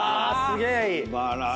すげえ。